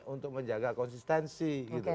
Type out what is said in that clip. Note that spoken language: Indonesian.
untuk menjaga konsistensi